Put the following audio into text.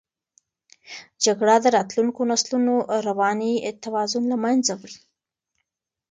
جګړه د راتلونکو نسلونو رواني توازن له منځه وړي.